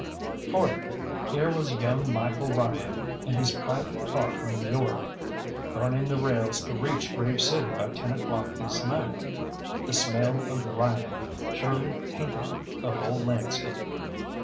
Fourthly, here was young Michael Ryan in his private car from New York, burning the rails to reach Grave City by ten o'clock this night. The smell of Ryan surely tainted the whole landscape.